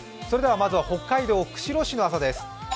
まずは北海道釧路市の朝です。